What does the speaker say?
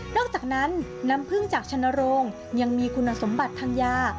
อกจากนั้นน้ำพึ่งจากชนโรงยังมีคุณสมบัติทางยา